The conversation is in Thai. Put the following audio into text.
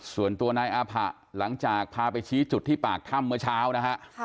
ส่วนตัวนายอาผะหลังจากพาไปชี้จุดที่ปากถ้ำเมื่อเช้านะฮะ